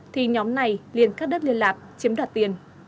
thì nhóm này liên cắt đất liên lạc chiếm đoạt tiền